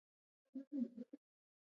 ازادي راډیو د سوداګري حالت په ډاګه کړی.